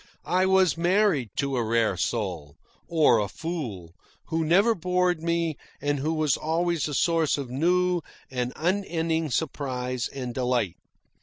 I was married to a rare soul, or a fool, who never bored me and who was always a source of new and unending surprise and delight.